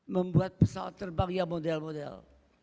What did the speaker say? membuat pesawat terbang yang model model